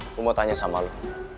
aku mau tanya sama lo